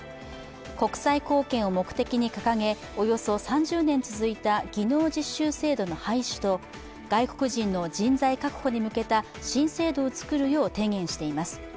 国際貢献を目的に掲げ、およそ３０年続いた技能実習制度の廃止と外国人の人材確保に向けた新制度を作るよう提言しています。